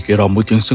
matanya yang tuh isu